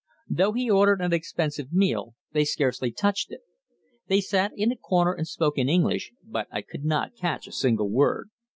Though he ordered an expensive meal they scarcely touched it. They sat in a corner and spoke in English, but I could not catch a single word."